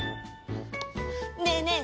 ねえねえ